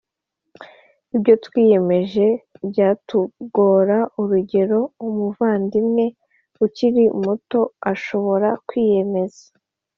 Ibyo twiyemeje byatugora urugero umuvandimwe ukiri muto ashobora kwiyemeza